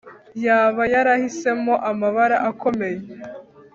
yaba yarahisemo amabara akomeye